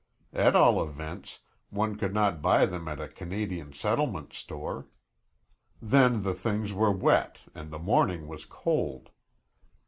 At all events, one could not buy them at a Canadian settlement store. Then the things were wet and the morning was cold.